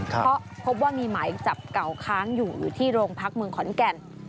เพราะพบว่ามีหมายจับเก่าค้างอยู่ที่โรงพักเมืองขอนแก่น